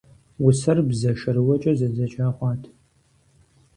Усэр бзэ шэрыуэкӀэ зэдзэкӀа хъуат.